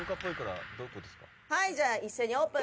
はい、じゃあ一斉にオープン。